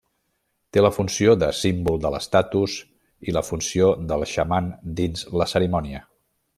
Té la funció de símbol de l'estatus i la funció del xaman dins la cerimònia.